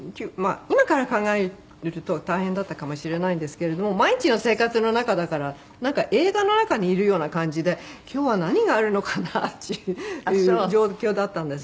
今から考えると大変だったかもしれないんですけれども毎日の生活の中だからなんか映画の中にいるような感じで今日は何があるのかなっていう状況だったんです。